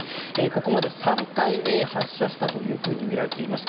ここまで３回、発射したとみられています。